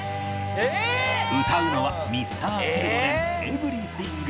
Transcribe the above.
歌うのは Ｍｒ．Ｃｈｉｌｄｒｅｎ『Ｅｖｅｒｙｔｈｉｎｇ』